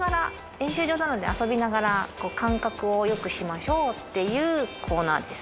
練習場なので遊びながら感覚をよくしましょうっていうコーナーです。